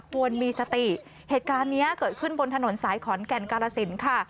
ควรมีสติเหตุการณ์นี้เกิดขึ้นบนถนนสายขอนแก่นกาลสินค่ะ